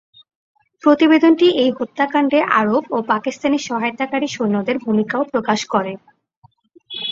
প্রতিবেদনটি এই হত্যাকাণ্ডে আরব ও পাকিস্তানি সহায়তাকারী সৈন্যদের ভূমিকাও প্রকাশ করে।